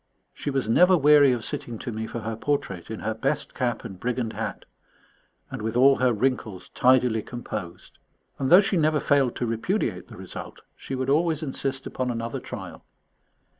She was never weary of sitting to me for her portrait, in her best cap and brigand hat, and with all her wrinkles tidily composed, and though she never failed to repudiate the result, she would always insist upon another trial.